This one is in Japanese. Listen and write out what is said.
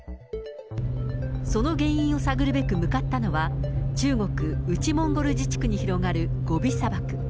その原因を探るべく向かったのは、中国・内モンゴル自治区に広がるゴビ砂漠。